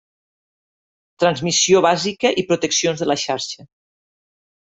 Transmissió bàsica i Proteccions de la xarxa.